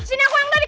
sini aku yang tarik